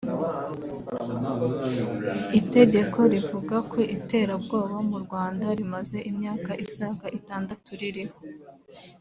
Itegeko rivuga ku iterabwoba mu Rwanda rimaze imyaka isaga itandatu ririho